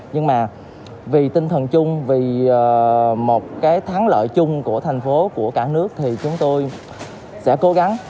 nhưng mà vì tinh thần chung vì một cái thắng lợi chung của thành phố của cả nước thì chúng tôi sẽ cố gắng